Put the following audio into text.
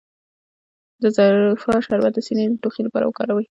د زوفا شربت د سینې او ټوخي لپاره وکاروئ